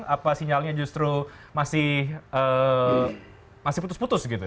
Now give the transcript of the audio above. apa sinyalnya justru masih putus putus gitu